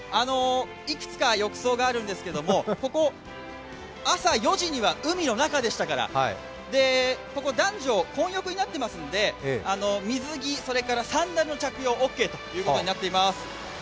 いくつか浴槽があるんですけどここ、朝４時には海の中でしたから男女混浴になっていますので水着、それからサンダルの着用オッケーということになっています。